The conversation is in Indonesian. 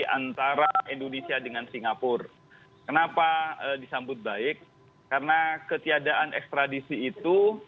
antara indonesia dengan singapura kenapa disambut baik karena ketiadaan ekstradisi itu